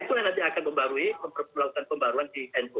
itu yang nanti akan melakukan pembaruan di nu